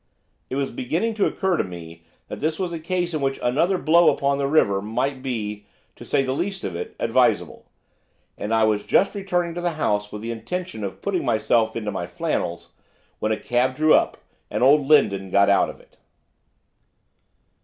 It was beginning to occur to me that this was a case in which another blow upon the river might be, to say the least of it, advisable and I was just returning into the house with the intention of putting myself into my flannels, when a cab drew up, and old Lindon got out of it.